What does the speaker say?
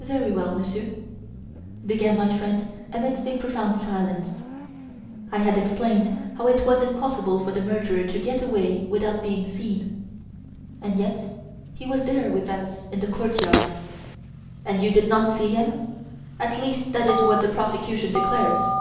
"Very well, Monsieur," began my friend amidst a profound silence. "I had explained how it was impossible for the murderer to get away without being seen. And yet he was there with us in the courtyard." "And you did not see him? At least that is what the prosecution declares."